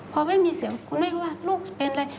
พอไม่มีเสียงคุณแม่ก็ว่าลูกเป็นอะไร